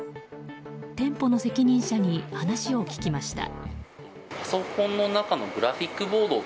店舗の責任者に話を聞きました。